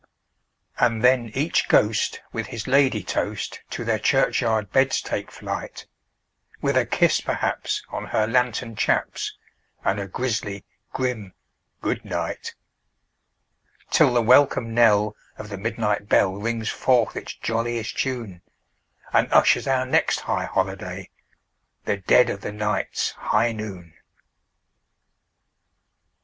And then each ghost with his ladye toast to their churchyard beds take flight, With a kiss, perhaps, on her lantern chaps, and a grisly grim "good night"; Till the welcome knell of the midnight bell rings forth its jolliest tune, And ushers our next high holiday—the dead of the night's high noon!